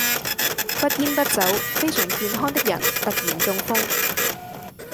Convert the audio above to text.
不煙不酒非常健康的人突然中風